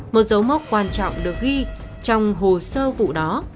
một dấu mốc quan trọng được ghi trong hồ sơ vụ đó